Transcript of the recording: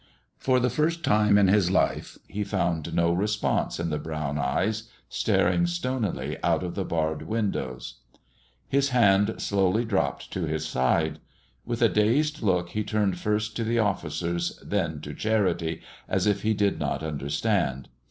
For the first time in his life he found no response in the brown eyes, staring stonily out of the barred windows. His hand slowly dropped to his side. With a dazed look he turned first to the officers, then to Charity, as if he did not understand.